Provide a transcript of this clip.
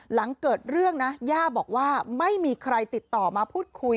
หลังเกิดเรื่องนะย่าบอกว่าไม่มีใครติดต่อมาพูดคุย